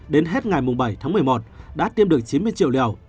đến hết ngày bảy tháng một mươi một đã tiêm được chín mươi triệu liều